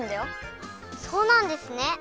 そうなんですね。